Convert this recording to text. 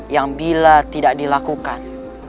yang bila tidak dilakukan